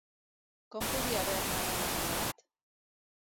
Com podia haver-me'n enamorat?